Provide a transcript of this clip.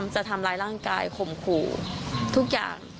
จะทำร้ายร่างกายข่มขู่ทุกอย่าง